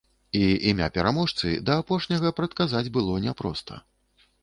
І імя пераможцы да апошняга прадказаць было няпроста.